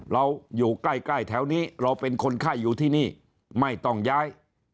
เราอยู่ใกล้ใกล้แถวนี้เราเป็นคนไข้อยู่ที่นี่ไม่ต้องย้าย